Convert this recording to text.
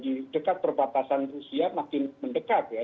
di dekat perbatasan rusia makin mendekat ya